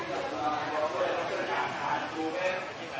ก็อยากได้เลย